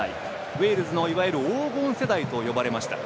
ウェールズの黄金世代と呼ばれました。